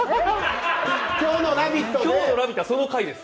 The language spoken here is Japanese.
今日の「ラヴィット！」はその回です。